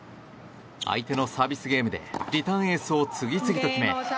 相手のサービスゲームでリターンエースを次々と決め